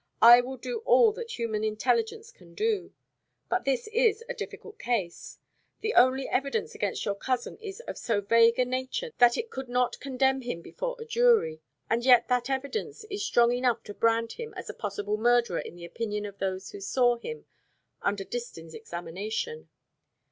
I will do all that human intelligence can do. But this is a difficult case. The only evidence against your cousin is of so vague a nature that it could not condemn him before a jury; and yet that evidence is strong enough to brand him as a possible murderer in the opinion of those who saw him under Distin's examination.